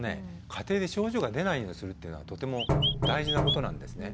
家庭で症状が出ないようにするっていうのはとても大事なことなんですね。